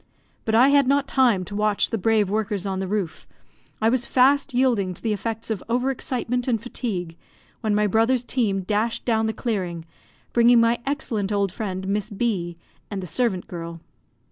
But I had not time to watch the brave workers on the roof. I was fast yielding to the effects of over excitement and fatigue, when my brother's team dashed down the clearing, bringing my excellent old friend, Miss B , and the servant girl.